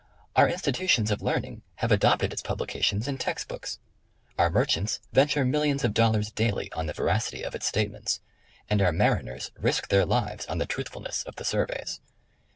Our institutions of learning have adopted its publications in text books. Our merchants venture millions of dollars daily on the veracity of its statements, and our mariners risk their lives on the truthfulness of the Surveys.